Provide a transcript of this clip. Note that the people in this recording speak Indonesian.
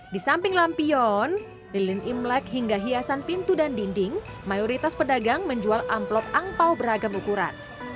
di samping lampion lilin imlek hingga hiasan pintu dan dinding mayoritas pedagang menjual amplop angpao beragam ukuran